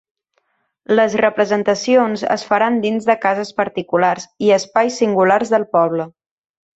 Les representacions es faran dins de cases particulars i espais singulars del poble.